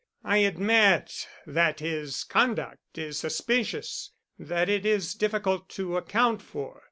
"I admit that his conduct is suspicious that it is difficult to account for.